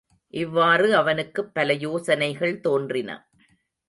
இவ்வாறு அவனுக்குப் பல யோசனைகள் தோன்றின.